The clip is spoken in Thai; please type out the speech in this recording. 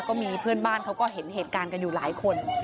ก็มีเพื่อนบ้านเขาก็เห็นเหตุการณ์กันอยู่หลายคน